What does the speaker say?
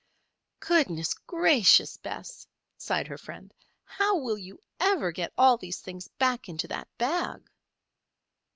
"Goodness gracious, Bess!" sighed her friend. "How will you ever get all these things back into that bag?"